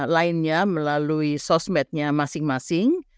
lainnya melalui sosmednya masing masing